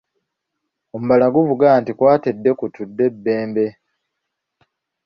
Omubala guvuga nti, ῝Kwata eddeku tudde e Bbembe.”